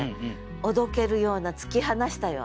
おどけるような突き放したような。